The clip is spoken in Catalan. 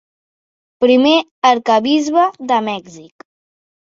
Primer arquebisbe de Mèxic.